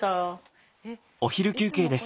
お昼休憩です。